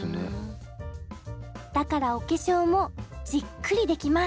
だからお化粧もじっくりできます。